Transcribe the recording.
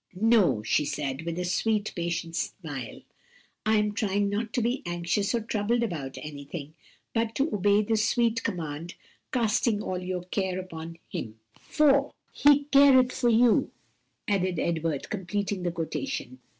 "No," she said, with a sweet, patient smile, "I am trying not to be anxious or troubled about anything, but to obey the sweet command, 'casting all your care upon Him.'" "'For He careth for you,'" added Edward, completing the quotation.